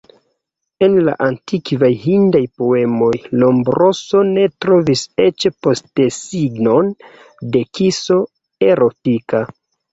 En la antikvaj Hindaj poemoj Lombroso ne trovis eĉ postesignon de kiso erotika.